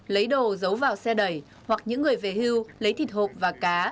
lấy đồ giấu vào xe đẩy hoặc những người về hưu lấy thịt hộp và cá